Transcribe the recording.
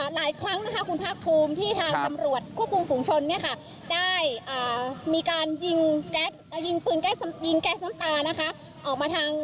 หลายครั้งคุณภาคทูมที่ทางสำรวจควบคุมสูงชนได้มีการยิงแก๊สน้ำตา